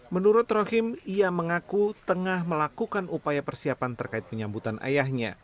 menurut rahim ia mengaku tengah melakukan upaya persiapan terkait penyambutan ayahnya